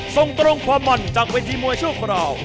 ส่งตรงความมันจากเวทีมวยชั่วคราว